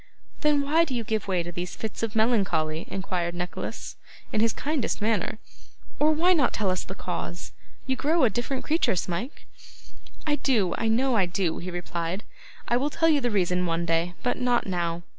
'Then why do you give way to these fits of melancholy?' inquired Nicholas, in his kindest manner; 'or why not tell us the cause? You grow a different creature, Smike.' 'I do; I know I do,' he replied. 'I will tell you the reason one day, but not now.